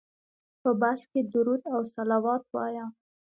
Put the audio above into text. په بس کې درود او صلوات وایه.